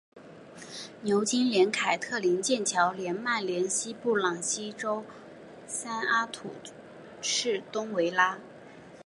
牛津联凯特灵剑桥联曼联西布朗锡周三阿士东维拉